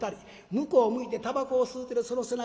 向こう向いてたばこを吸うてるその背中。